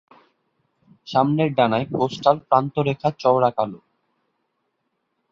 সামনের ডানায় কোস্টাল প্রান্তরেখা চওড়া কালো।